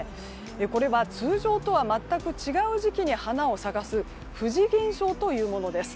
これは通常とは全く違う時期に花を咲かす不時現象というものです。